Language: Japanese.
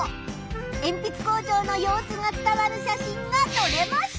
えんぴつ工場の様子がつたわる写真が撮れました！